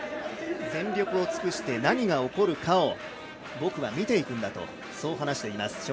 全力を尽くして何が起こるかを僕は見ていくんだとそう話します